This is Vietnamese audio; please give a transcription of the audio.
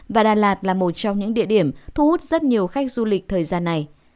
và đà lạt là một trong những địa điểm thu hút rất nhiều khách du lịch thời gian này